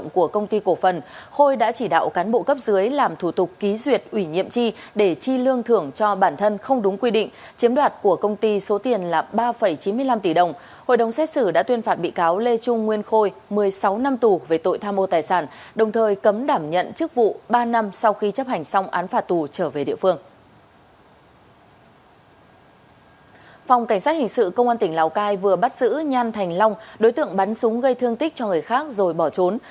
cảnh sát hình sự công an tỉnh lào cai vừa bắt giữ nhan thành long đối tượng bắn súng gây thương tích cho người khác rồi bỏ trốn